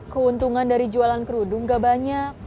keuntungan dari jualan kerudung gak banyak